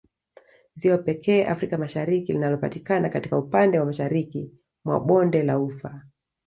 Ziwa pekee Afrika Mashariki linalopatikana katika upande wa mashariki mwa bonde la ufa